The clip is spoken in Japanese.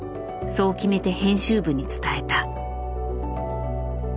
そう決めて編集部に伝えた。